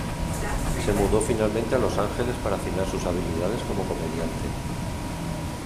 Se mudó finalmente a Los Ángeles para afinar sus habilidades como comediante.